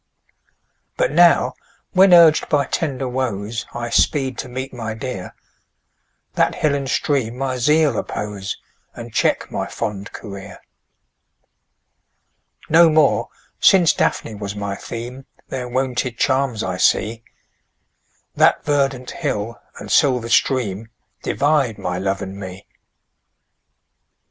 But now, when urg'd by tender woes, I speed to meet my dear, That hill and stream my zeal oppose, And check my fond career. No more, since Daphne was my theme, Their wonted charms I see: That verdant hill, and silver stream, Divide my love and me.